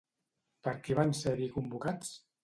Per qui van ser-hi convocats?